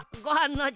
ごはん？